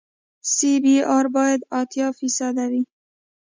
سی بي ار باید اتیا فیصده وي